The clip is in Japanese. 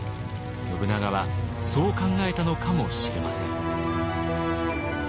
信長はそう考えたのかもしれません。